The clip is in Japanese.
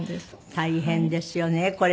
大変ですよねこれ。